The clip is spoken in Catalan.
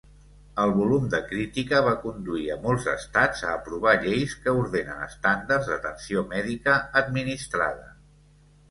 El volum de crítica va conduir a molts estats a aprovar lleis que ordenen estàndards d'atenció mèdica administrada.